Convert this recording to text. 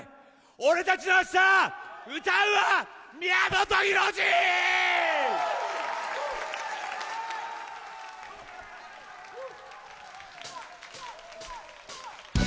『俺たちの明日』、歌うは、宮本浩次！わ！